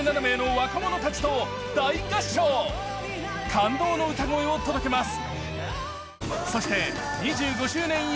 感動の歌声を届けます。